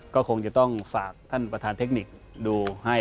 ก็คงจะต้องฝากท่านประธานเทคนิคดูให้